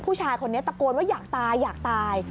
ผู้ชายคนนี้ตะโกนว่าอยากตาย